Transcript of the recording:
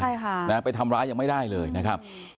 ใช่ค่ะนะไปทำร้ายยังไม่ได้เลยนะครับ